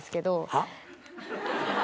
はっ？